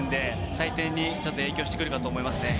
採点に影響してくるかと思います。